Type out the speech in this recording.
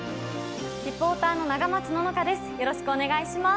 リポーターの永松野々花です。